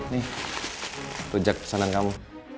nih rujak pesanan kamu